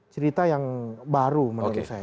cerita yang baru menurut saya